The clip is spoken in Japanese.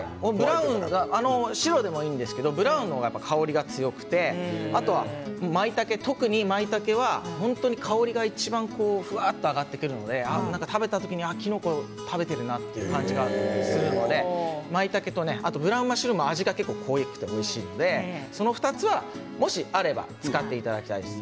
白でもいいんですけどブラウンマッシュルームの方が香りが強くて特にまいたけは本当に香りが、いちばんふわっと上がってくるので食べた時に、きのこを食べてるなという感じがするのでまいたけとブラウンマッシュルーム味が濃くておいしいのでこの２つがあれば使っていただければと思います。